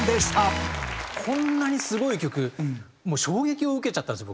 こんなにすごい曲もう衝撃を受けちゃったんですよ